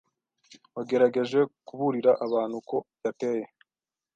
wagerageje kuburira abantu ko yateye